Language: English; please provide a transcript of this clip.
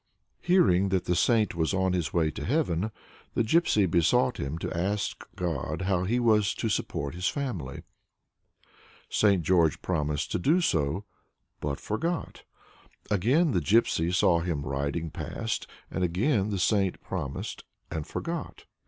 Hearing that the saint was on his way to heaven, the Gypsy besought him to ask of God how he was to support his family. St. George promised to do so, but forgot. Again the Gypsy saw him riding past, and again the saint promised and forgot.